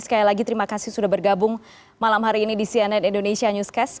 sekali lagi terima kasih sudah bergabung malam hari ini di cnn indonesia newscast